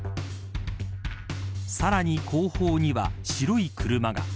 さらに後方には白い車が。